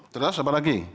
terus apa lagi